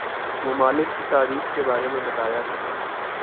ممالک کی تاریخ کے بارے میں بتایا ہے